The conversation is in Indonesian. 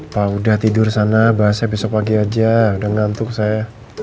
pak udah tidur sana bahasnya besok pagi aja udah ngantuk saya